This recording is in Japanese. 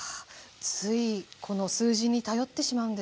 ついこの数字に頼ってしまうんですよね。